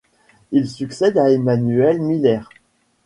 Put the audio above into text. Il succède à Emmanuel Miller.